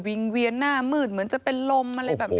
งเวียนหน้ามืดเหมือนจะเป็นลมอะไรแบบนี้